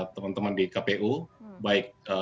teman teman di kpu baik